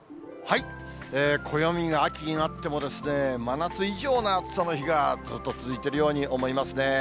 暦が秋になっても、真夏以上の暑さの日がずっと続いているように思いますね。